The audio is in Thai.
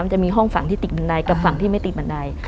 จะมีห้องฝั่งที่ติดบันไดกับฝั่งที่ไม่ติดบันได